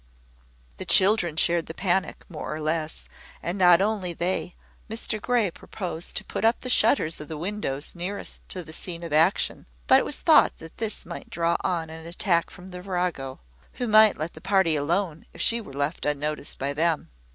The children shared the panic, more or less: and not only they. Mr Grey proposed to put up the shutters of the windows nearest to the scene of action; but it was thought that this might draw on an attack from the virago, who might let the party alone if she were left unnoticed by them.